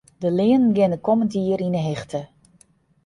De leanen geane kommend jier yn 'e hichte.